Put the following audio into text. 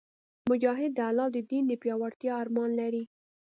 مجاهد د الله د دین د پیاوړتیا ارمان لري.